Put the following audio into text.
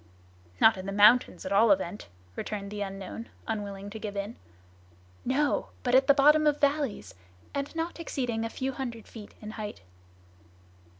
"Not in the mountains, at all events," returned the unknown, unwilling to give in. "No! but at the bottom of the valleys, and not exceeding a few hundred feet in height."